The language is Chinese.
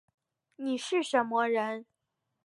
你是什么人